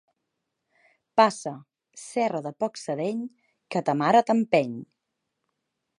Passa, cerra de porc sedeny, que ta mare t'empeny.